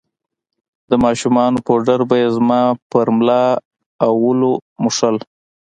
د ماشومانو پوډر به يې زما پر ملا او ولو موښل.